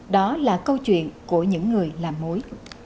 đó là câu chuyện của những người làm mối